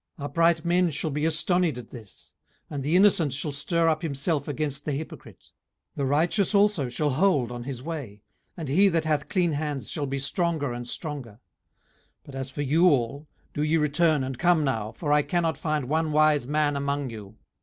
18:017:008 Upright men shall be astonied at this, and the innocent shall stir up himself against the hypocrite. 18:017:009 The righteous also shall hold on his way, and he that hath clean hands shall be stronger and stronger. 18:017:010 But as for you all, do ye return, and come now: for I cannot find one wise man among you.